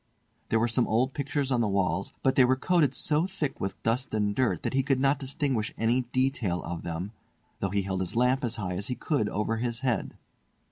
There were some old pictures on the walls, but they were coated so thick with dust and dirt that he could not distinguish any detail of them, though he held his lamp as high as he could over his head.